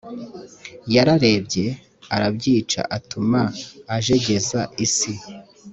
yararebye arabyica atuma ajegeza isi